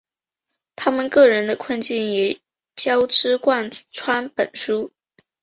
他们个人的困境也交织贯穿本书。